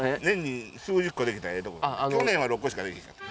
去年は６個しかできひんかった。